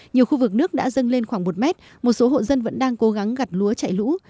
nhiều khu vực nước đã dâng lên khoảng một mét một số hộ dân vẫn đang cố gắng gặt lúa chạy lũ